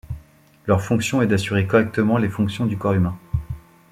Leur fonction est d'assurer correctement les fonctions du corps humain.